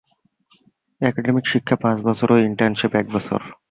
Academic শিক্ষা পাঁচ বছর ও ইন্টার্নশিপ এক বছর।